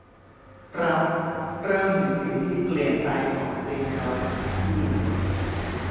รับ เริ่มเห็นสิ่งที่เปลี่ยนไปของ ลิโอเนล เมสซี่